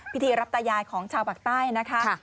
พิธีรับตายายของชาวปากใต้นะคะ